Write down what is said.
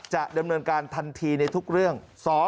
จะดำเนินการทันทีในทุกเรื่อง